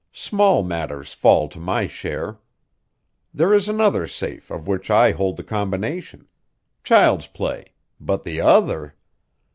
Small matters fall to my share. There is another safe, of which I hold the combination. Child's play, but the other!